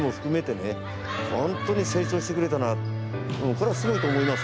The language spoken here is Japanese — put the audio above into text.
これはすごいと思います